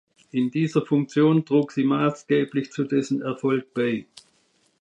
In dieser Funktion trug sie maßgeblich zu dessen Erfolg bei.